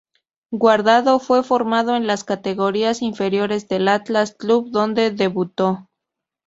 Guardado fue formado en las categorías inferiores del Atlas, club donde debutó.